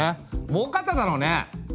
もうかっただろうね！